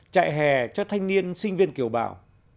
chạy hè cho thanh niên sinh viên kiều bào